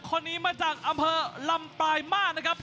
คนนี้มาจากอำเภอลำปลายมาตรนะครับ